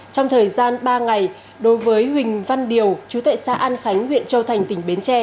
trong thời gian ba ngày đối với huỳnh văn điều chú tệ xã an khánh huyện châu thành tỉnh bến tre